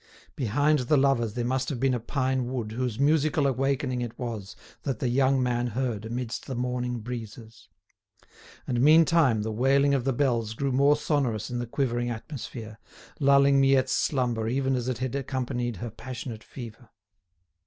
Behind the lovers there must have been a pine wood whose musical awakening it was that the young man heard amidst the morning breezes. And meantime the wailing of the bells grew more sonorous in the quivering atmosphere, lulling Miette's slumber even as it had accompanied her passionate fever.